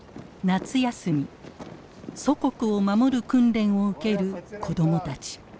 夏休み祖国を守る訓練を受ける子供たち。